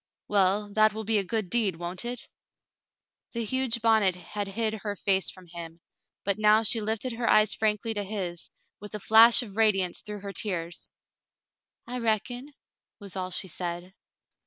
"Well, that will be a good deed, won't it ?" The huge bonnet had hid her face from him, but now she lifted her eyes frankly to his, with a flash of radiance through her tears. "I reckon," was all she said.